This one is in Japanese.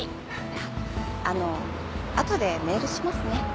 あっあの後でメールしますね。